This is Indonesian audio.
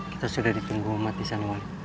kita sudah ditunggu umat di sana wali